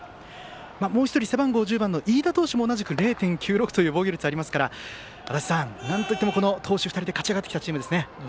もう１人背番号１０番の飯田投手も同じく０．９６という防御率がありますから足達さん、なんといってもこの投手２人で勝ち上がってきたチームですね。